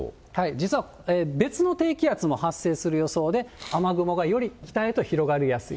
実は別の低気圧も発生する予想で、雨雲がより北へと広がりやすい。